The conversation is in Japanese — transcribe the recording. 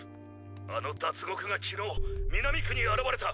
あのダツゴクが昨日南区に現れた。